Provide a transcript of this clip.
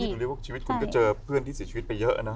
ดูเรียกว่าชีวิตคุณก็เจอเพื่อนที่เสียชีวิตไปเยอะนะ